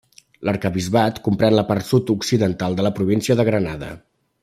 L'arquebisbat comprèn la part sud-occidental de la província de Granada.